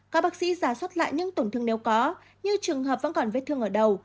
các bác sĩ giả soát lại những tổn thương nếu có như trường hợp vẫn còn vết thương ở đầu